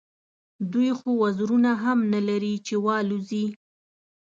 دوی خو وزرونه هم نه لري چې والوزي.